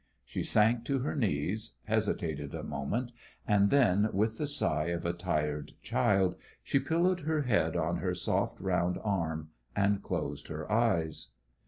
She sank to her knees, hesitated a moment, and then, with the sigh of a tired child, she pillowed her head on her soft round arm and closed her eyes.